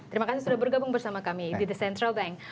terima kasih sudah bergabung bersama kami di the central bank